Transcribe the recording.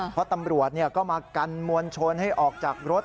เพราะตำรวจก็มากันมวลชนให้ออกจากรถ